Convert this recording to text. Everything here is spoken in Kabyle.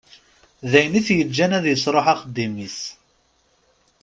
D ayen i d-yeǧǧan ad yesruḥ axeddim-is.